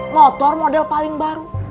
motor model paling baru